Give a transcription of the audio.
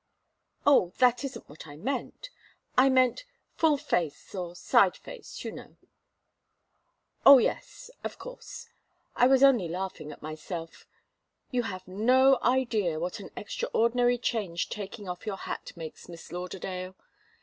"Oh that isn't what I meant! I meant full face or side face, you know." "Oh, yes, of course. I was only laughing at myself. You have no idea what an extraordinary change taking off your hat makes, Miss Lauderdale.